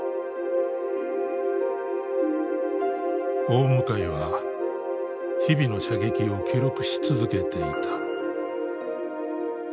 大向は日々の射撃を記録し続けていた。